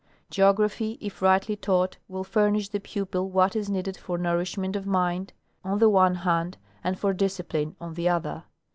Geography, if rightly taught, will furnish the pupil what is needed for nourishment of mind on the one hand, and for dis cipline on the other.